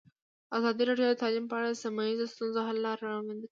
ازادي راډیو د تعلیم په اړه د سیمه ییزو ستونزو حل لارې راوړاندې کړې.